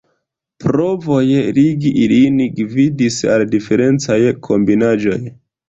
Provoj ligi ilin gvidis al diferencaj kombinaĵoj.